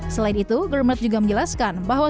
selain itu bermed juga menjelaskan bahwa